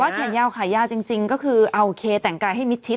แต่ว่าแขนยาวขายาวจริงก็คือเอาโอเคแต่งกายให้มิดทิศ